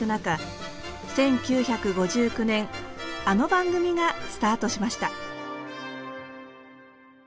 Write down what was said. １９５９年あの番組がスタートしました。